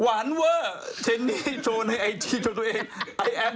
วานเวอร์เทนนี่เจ้าในไอจีแบบ